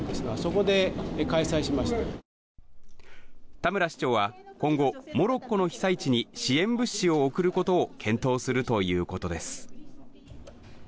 田村市長は今後モロッコの被災地に支援物資を送ることを検討するということです。